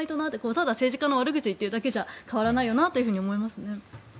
ただ、政治家の悪口を言っているだけじゃ変わらないなと思います。